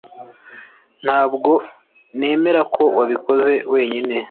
Ntabwo nemera ko wabikoze wenyine